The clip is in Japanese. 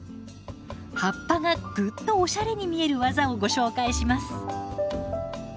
葉っぱがグッとオシャレに見える技をご紹介します。